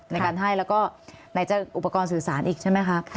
ในการให้แล้วก็ไหนจะอุปกรณ์สื่อสารอีกใช่ไหมคะ